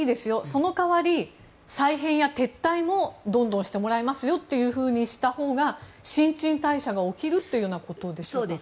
その代わり、再編や撤退もどんどんしてもらいますよというふうにしたほうが新陳代謝が起きるということでしょうか。